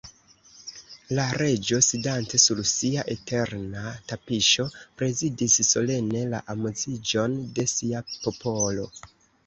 La Reĝo, sidante sur sia eterna tapiŝo, prezidis solene la amuziĝon de sia popolo.